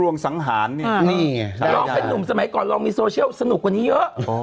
ลองเป็นหนุ่มสมัยก่อนลองมีโซเชียลควรสนุกเวนนี้เยอะ